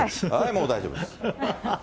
もう大丈夫です。